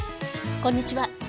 こんにちは。